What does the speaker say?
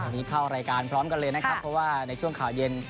วันนี้เข้ารายการพร้อมกันเลยนะครับเพราะว่าในช่วงข่าวเย็น